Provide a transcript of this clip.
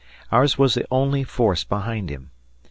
Ours was the only force behind him.